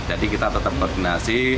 jadi kita tetap koordinasi